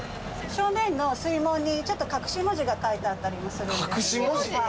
正面の水門にちょっと隠し文字が書いてあったりもするんで。